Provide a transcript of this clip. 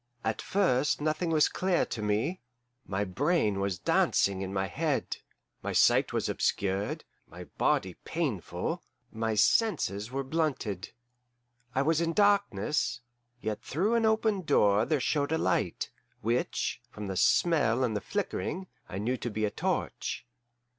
At first nothing was clear to me; my brain was dancing in my head, my sight was obscured, my body painful, my senses were blunted. I was in darkness, yet through an open door there showed a light, which, from the smell and flickering, I knew to be a torch.